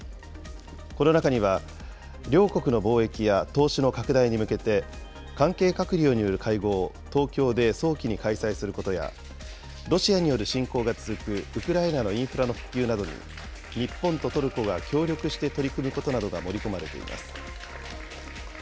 この中には、両国の貿易や投資の拡大に向けて、関係閣僚による会合を東京で早期に開催することや、ロシアによる侵攻が続くウクライナのインフラの復旧などに、日本とトルコが協力して取り組むことなどが盛り込まれています。